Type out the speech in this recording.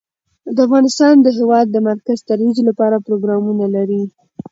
افغانستان د هېواد د مرکز ترویج لپاره پروګرامونه لري.